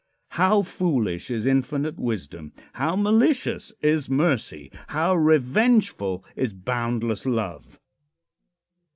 How foolish is infinite wisdom! How malicious is mercy! How revengeful is boundless love!